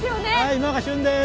今が旬です。